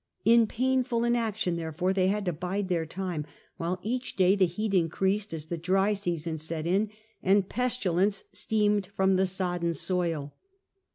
In painful inaction, therefore, they had to bide their time, while each day the heat increased as the dry season set in, and pestilence steamed from the sodden soil.